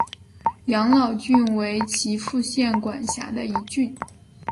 养老郡为岐阜县管辖的一郡。